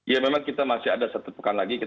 ya memang kita masih ada satu pekan lagi